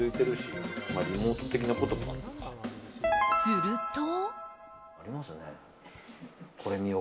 すると。